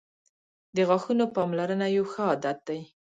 • د غاښونو پاملرنه یو ښه عادت دی.